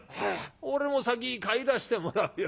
『俺も先に帰らしてもらうよ』